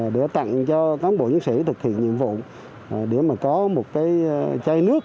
để tặng cho cán bộ chiến sĩ thực hiện nhiệm vụ để mà có một cái chai nước